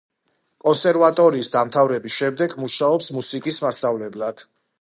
კონსერვატორიის დამთავრების შემდეგ მუშაობს მუსიკის მასწავლებლად.